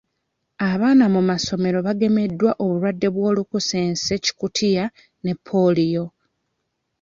Abaana mu masomero bagemeddwa obulwadde bw'olukusense-Kikutiya ne ppooliyo